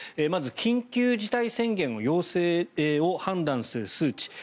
まず、緊急事態宣言の要請を判断する数値。